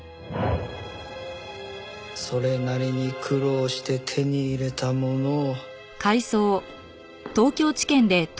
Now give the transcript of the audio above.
それなりに苦労して手に入れたものを。